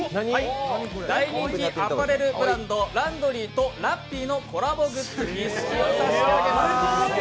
大人気アパレルブランドＬａｕｎｄｒｙとラッピーのコラボグッズ一式を差し上げます。